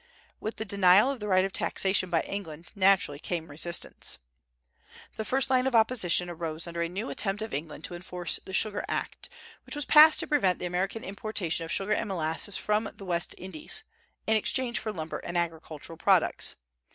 With the denial of the right of taxation by England naturally came resistance. The first line of opposition arose under a new attempt of England to enforce the Sugar Act, which was passed to prevent the American importation of sugar and molasses from the West Indies, in exchange for lumber and agricultural products.